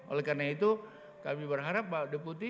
oleh karena itu kami berharap pak deputi